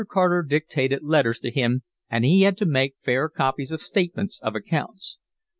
Carter dictated letters to him, and he had to make fair copies of statements of accounts.